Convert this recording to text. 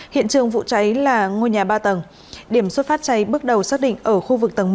hiện trường vụ cháy là ngôi nhà ba tầng điểm xuất phát cháy bước đầu xác định ở khu vực tầng một